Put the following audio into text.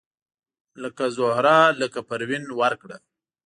لکه زهره لکه پروین ورکړه